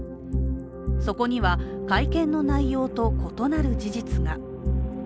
そこには、会見の内容と異なる事実が。